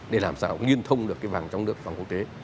để làm sao liên thông được cái vàng trong nước vàng quốc tế